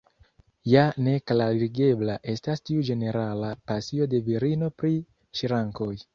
Ja ne klarigebla estas tiu ĝenerala pasio de virino pri ŝrankoj.